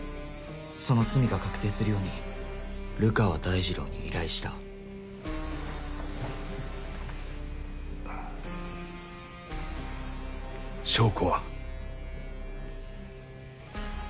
その罪が確定するように流川大治郎に依頼した証拠は？